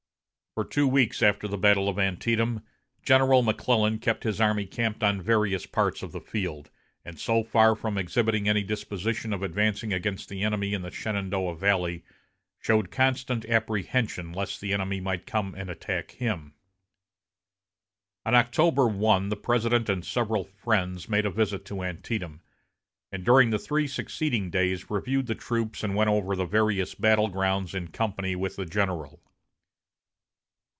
For two weeks after the battle of Antietam, General McClellan kept his army camped on various parts of the field, and so far from exhibiting any disposition of advancing against the enemy in the Shenandoah valley, showed constant apprehension lest the enemy might come and attack him. On October 1, the President and several friends made a visit to Antietam, and during the three succeeding days reviewed the troops and went over the various battle grounds in company with the general.